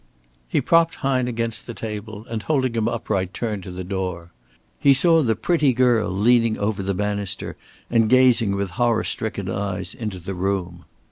He propped Hine against the table, and holding him upright turned to the door. He saw "the pretty girl" leaning over the banister and gazing with horror stricken eyes into the room.